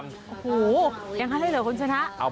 โอ้โหยังให้เหลือคนชนะ